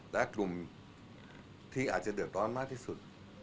และกลุ่มที่อาจจะเดือดร้อนมากที่สุด